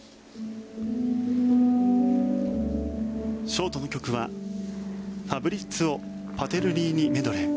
ショートの曲は「ファブリツィオ・パテルリーニメドレー」。